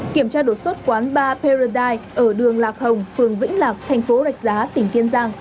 kiểm tra đột xuất quán bar perudi ở đường lạc hồng phường vĩnh lạc thành phố rạch giá tỉnh kiên giang